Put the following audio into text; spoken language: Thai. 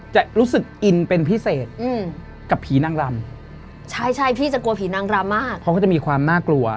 จะรู้สึกอินเป็นพิเศษอืมกับผีนางรำใช่ใช่พี่จะกลัวผีนางรำมากเพราะเขาจะมีความน่ากลัว